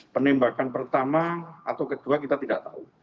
penembakan pertama atau kedua kita tidak tahu